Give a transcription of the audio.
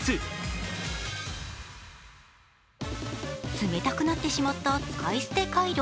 冷たくなってしまった使い捨てカイロ。